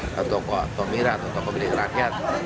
atau toko tomira atau toko beli rakyat